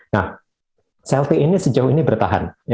nah sel t ini sejauh ini bertahan